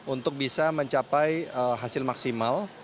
untuk bisa mencapai hasil maksimal